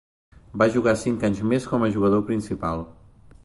Va jugar cinc anys més com a jugador principal.